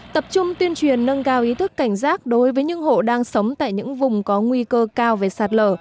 tập trung tuyên truyền nâng cao ý thức cảnh giác đối với những hộ đang sống tại những vùng có nguy cơ cao về sạt lở